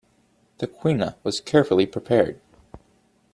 The Quinoa was carefully prepared.